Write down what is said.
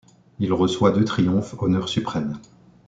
Il reçoit deux triomphes, honneur suprême.